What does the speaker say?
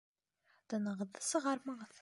Тынығыҙҙы сығармағыҙ!..